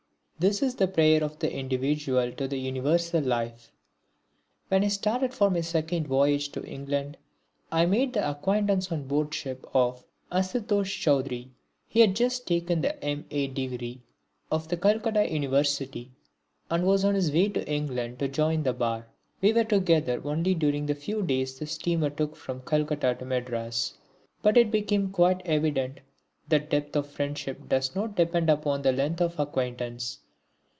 This is the prayer of the individual to the universal life. When I started for my second voyage to England, I made the acquaintance on board ship of Asutosh Chaudhuri. He had just taken the M. A. degree of the Calcutta University and was on his way to England to join the Bar. We were together only during the few days the steamer took from Calcutta to Madras, but it became quite evident that depth of friendship does not depend upon length of acquaintance.